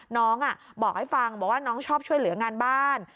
น้องบอกให้ฟังบอกว่าน้องชอบช่วยเหลืองานบ้าน